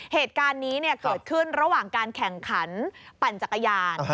เหตุการณ์นี้เกิดขึ้นระหว่างการแข่งขันปั่นจักรยาน